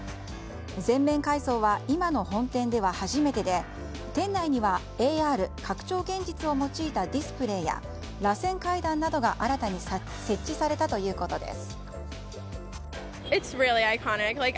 全面改装は今の本店では初めてで店内ではＡＲ・拡張現実を用いたディスプレーやらせん階段などが新たに設置されたということです。